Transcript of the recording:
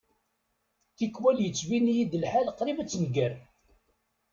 Tikwal yettbin-iyi-d lḥal qrib ad tenger.